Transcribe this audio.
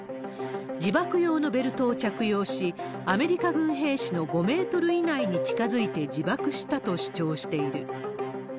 自爆用のベルトを着用し、アメリカ軍兵士の５メートル以内に近づいて自爆したと主張している。